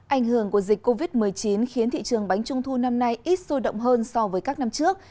ảnh hưởng của dịch covid một mươi chín khiến thị trường bánh trung thu năm nay ít sôi động hơn so với các năm trước